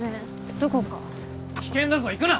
どこか危険だぞ行くな！